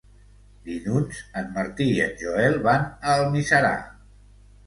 Dilluns en Martí i en Joel van a Almiserà.